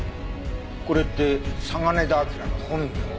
これって嵯峨根田輝の本名。